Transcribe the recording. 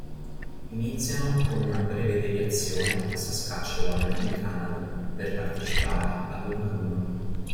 Iniziano con una breve deviazione a Saskatchewan in Canada per partecipare ad un raduno.